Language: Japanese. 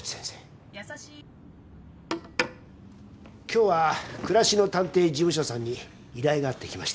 今日は暮らしの探偵事務所さんに依頼があって来ました。